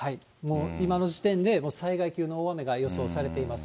今の時点で、災害級の大雨が予想されています。